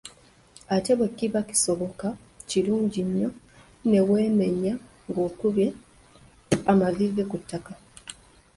Ate bwe kiba kisoboka, kilungi nnyo ne weemenya ng'okubye amaviivi ku ttaka.